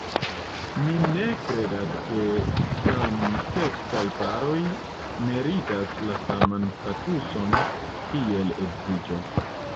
Mi ne kredas ke samseksaj-paroj meritas la saman statuson kiel edziĝo.